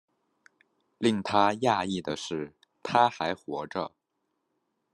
令他讶异的是她还活着